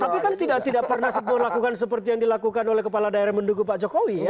tapi kan tidak pernah sebuah lakukan seperti yang dilakukan oleh kepala daerah yang mendukung pak jokowi ya